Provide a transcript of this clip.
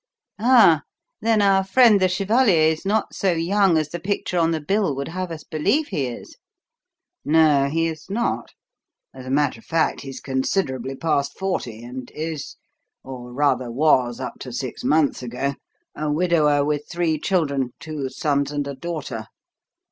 "Ah, then our friend the chevalier is not so young as the picture on the bill would have us believe he is." "No, he is not. As a matter of fact, he is considerably past forty, and is or, rather, was, up to six months ago, a widower with three children, two sons and a daughter."